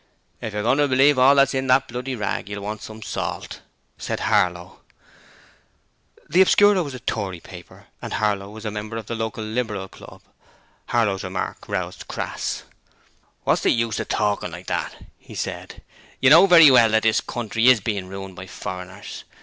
'If you're going to believe all that's in that bloody rag you'll want some salt,' said Harlow. The Obscurer was a Tory paper and Harlow was a member of the local Liberal club. Harlow's remark roused Crass. 'Wot's the use of talkin' like that?' he said; 'you know very well that the country IS being ruined by foreigners.